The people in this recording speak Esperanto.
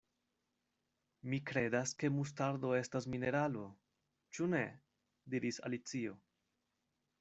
"Mi kredas ke mustardo estas mineralo, ĉu ne?" diris Alicio.